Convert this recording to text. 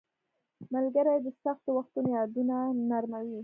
• ملګري د سختو وختونو یادونه نرموي.